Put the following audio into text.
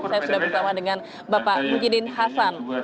saya sudah bersama dengan bapak mujidin hasan